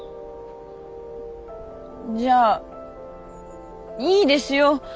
じゃあいいですよ。